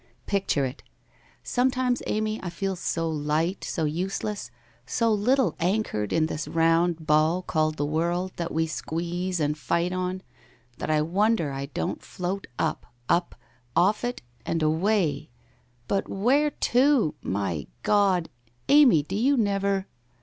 Picture it! ... Sometimes, Amy, I feel so light, so useless, so little anchored to this round ball called the world that we WHITE ROSE OF WEARY LEAF 15 squeeze and fight on, that I wonder I don't float up — up — off it — and away! But where to? My God? Amy, do you never